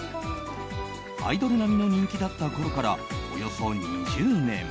アイドル並みの人気だったころからおよそ２０年。